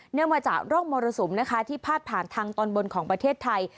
มาจากร่องมรสุมนะคะที่พาดผ่านทางตอนบนของประเทศไทย